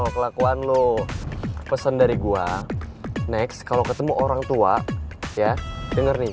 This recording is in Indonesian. kelakuan lo pesan dari gue next kalau ketemu orang tua ya denger nih